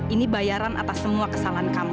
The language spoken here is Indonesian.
ini bayaran atas semua kesalahanmu